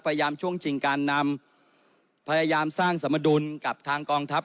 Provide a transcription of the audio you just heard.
ช่วงชิงการนำพยายามสร้างสมดุลกับทางกองทัพ